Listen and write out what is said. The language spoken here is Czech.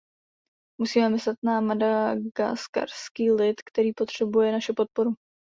Musíme myslet na madagaskarský lid, který potřebuje naši podporu.